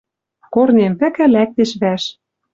Корнем вӹкӹ лӓктеш вӓш